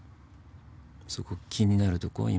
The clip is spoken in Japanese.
そこ気になるとこ？